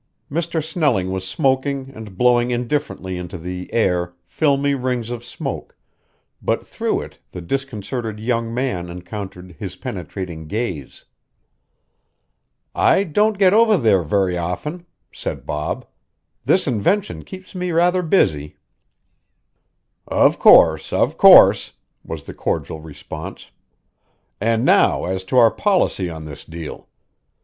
Mr. Snelling was smoking and blowing indifferently into the air filmy rings of smoke, but through it the disconcerted young man encountered his penetrating gaze. "I don't get over there very often," said Bob. "This invention keeps me rather busy." "Of course, of course!" was the cordial response. "And now as to our policy on this deal.